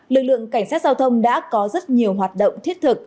lực lượng cảnh sát giao thông đã có rất nhiều hoạt động thiết thực